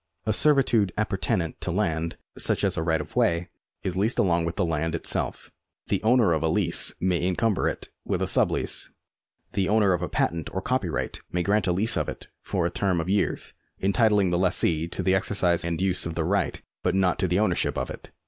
A servitude appurtenant to land, such as a right of way, is leased along with the land itself. The owner of a lease may encumber it with a sub lease. The owner of a patent or copyright may grant a lease of it for a term of years, entitling the lessee to the exercise and use of the right but not to the ownership of it.